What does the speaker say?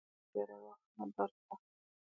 دوی له خپل تیره وخت نه درس اخلي.